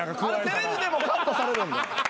テレビでもカットされるんで。